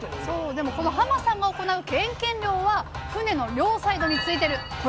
でもこのさんが行うケンケン漁は船の両サイドについてるこれ。